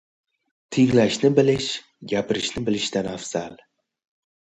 • Tinglashni bilish gapirishni bilishdan afzal.